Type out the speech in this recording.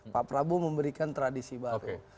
pak prabowo memberikan tradisi baru